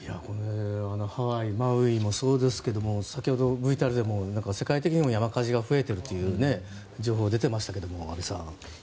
ハワイ・マウイもそうですけど先ほど、ＶＴＲでも世界的にも山火事が増えているという情報が出ていましたが安部さん。